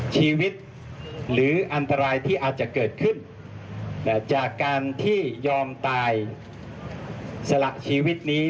ชีวิตหรืออันตรายที่อาจจะเกิดขึ้นจากการที่ยอมตายสละชีวิตนี้